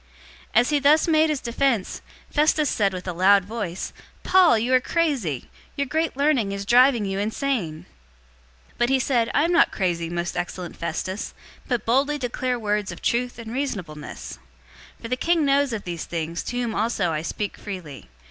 026:024 As he thus made his defense, Festus said with a loud voice, "Paul, you are crazy! Your great learning is driving you insane!" 026:025 But he said, "I am not crazy, most excellent Festus, but boldly declare words of truth and reasonableness. 026:026 For the king knows of these things, to whom also I speak freely.